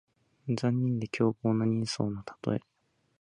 残忍で凶暴な人相のたとえ。